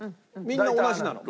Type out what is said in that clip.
みんな同じなの？